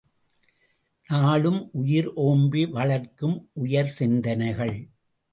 நாளும் உயிர் ஓம்பி வளர்க்கும் உயர் சிந்தனைகள்!